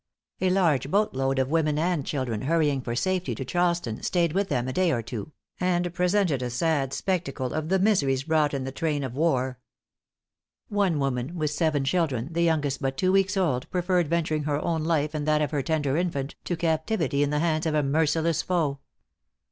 A large boatload of women and children hurrying for safety to Charleston, stayed with them a day or two, and presented a sad spectacle of the miseries brought in the train of wan One woman with seven children, the youngest but two weeks old, preferred venturing her own life and that of her tender infant, to captivity in the hands of a merciless foe.